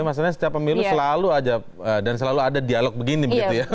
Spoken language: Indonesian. maksudnya setiap pemilu selalu ada dialog begini